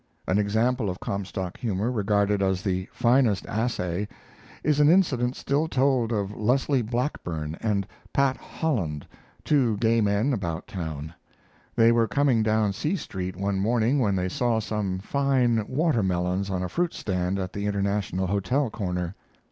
An example of Comstock humor, regarded as the finest assay, is an incident still told of Leslie Blackburn and Pat Holland, two gay men about town. They were coming down C Street one morning when they saw some fine watermelons on a fruit stand at the International Hotel corner.